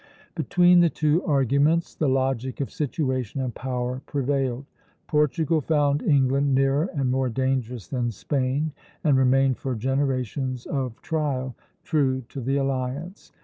Between the two arguments the logic of situation and power prevailed. Portugal found England nearer and more dangerous than Spain, and remained for generations of trial true to the alliance.